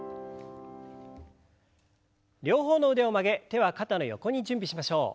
両方の腕を曲げ手は肩の横に準備しましょう。